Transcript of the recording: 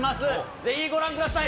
ぜひご覧ください。